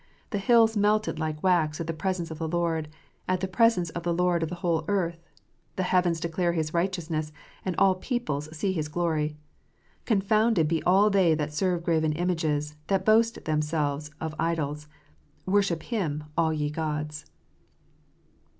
The hills melted like wax at the presence of the Lord, at the presence of the Lord of the whole earth. The heavens declare His righteousness, and all the people see His glory. Confounded be all they that serve graven images, that boast themselves of idols : worship Him, all ye gods."